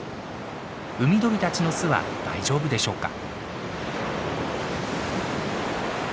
海鳥たちの巣は大丈夫でしょうか？